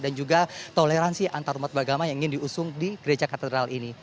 dan juga toleransi antarumat beragama yang ingin diusung di gereja katedral ini